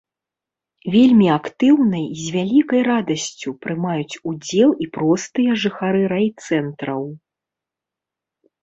Вельмі актыўна і з вялікай радасцю прымаюць удзел і простыя жыхары райцэнтраў.